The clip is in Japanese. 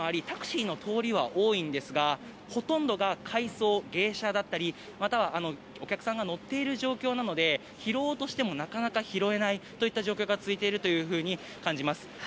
タクシーの通りは多いんですがほとんどが回送、迎車だったりまたはお客さんが乗っている状況なので拾おうとしても、なかなか拾えない状況が続いてるように感じます。